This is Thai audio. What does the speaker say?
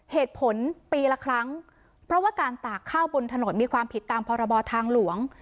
เหตุผลปีละครั้งเพราะว่าการตากข้าวบนถนนมีความผิดตามพรบทางหลวง